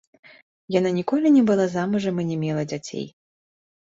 Яна ніколі не была замужам і не мела дзяцей.